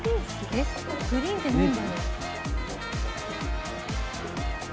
えっグリーンってなんだろう？